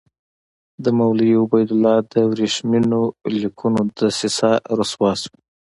د مولوي عبیدالله د ورېښمینو لیکونو دسیسه رسوا شوه.